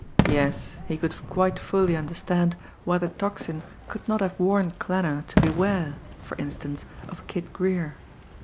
Yes, he could quite fully understand why the Tocsin could not have warned Klanner to beware, for instance, of Kid Greer.